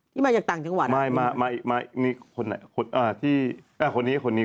นี่มาจากต่างจังหวัดไม่คนนี้คนนี้คนนี้